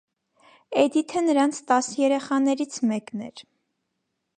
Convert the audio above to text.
Էդիթը նրանց տաս երեխաներից մեկն էր։